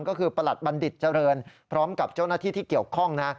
ก็คือประหลัดบัณฑิตเจริญพร้อมกับเจ้าหน้าที่ที่เกี่ยวข้องนะ